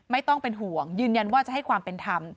ไม่ต้องเป็นห่วงยืนยันว่าจะให้ความเป็นธรรม